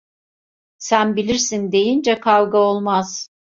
Sen bilirsin deyince kavga olmaz.